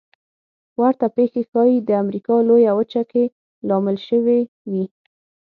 ورته پېښې ښايي د امریکا لویه وچه کې لامل شوې وي.